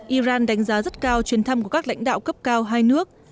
iran đánh giá rất cao chuyến thăm của các lãnh đạo cấp cao hai nước